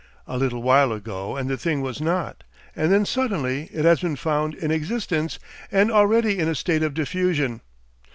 A little while ago and the thing was not; and then suddenly it has been found in existence, and already in a state of diffusion.